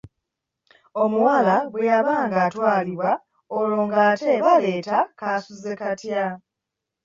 Omuwala bwe yabanga atwalibwa ng’olwo ate baleeta kaasuzekatya.